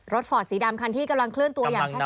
รถฟอร์ดสีดำคันที่กำลังเคลื่อนตัวอย่างช้านี่แหละค่ะ